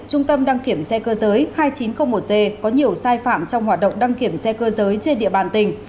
trung tâm đăng kiểm xe cơ giới hai nghìn chín trăm linh một g có nhiều sai phạm trong hoạt động đăng kiểm xe cơ giới trên địa bàn tỉnh